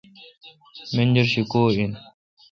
منجر شی کو این؟